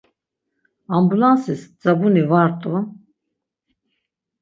Ambulansis dzabuni va rt̆u.